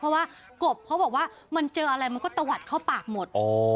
เพราะว่ากบเขาบอกว่ามันเจออะไรมันก็ตะวัดเข้าปากหมด